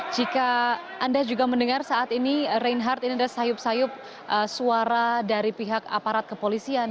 jika anda juga mendengar saat ini reinhardt ini ada sayup sayup suara dari pihak aparat kepolisian